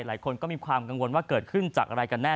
หลายคนก็มีความกังวลว่าเกิดขึ้นจากอะไรกันแน่